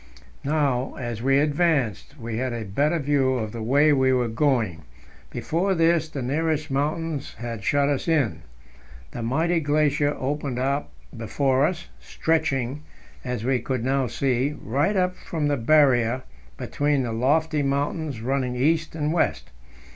Now, as we advanced, we had a better view of the way we were going; before this the nearest mountains had shut us in. The mighty glacier opened out before us, stretching, as we could now see, right up from the Barrier between the lofty mountains running east and west.